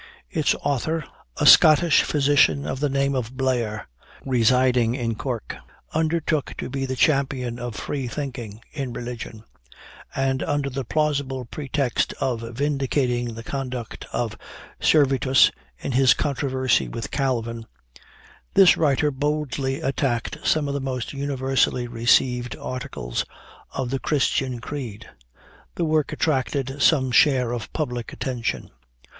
Its author, a Scottish physician of the name of Blair, residing in Cork, undertook to be the champion of free thinking in religion; and, under the plausible pretext of vindicating the conduct of Servetus in his controversy with Calvin, this writer boldly attacked some of the most universally received articles of the Christian Creed. The work attracted some share of public attention.